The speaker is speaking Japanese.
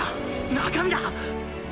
中身だ！